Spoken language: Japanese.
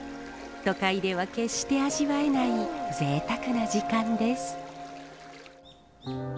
都会では決して味わえないぜいたくな時間です。